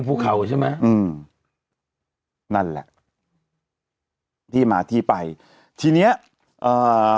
ภูเขาใช่ไหมอืมนั่นแหละที่มาที่ไปทีเนี้ยเอ่อ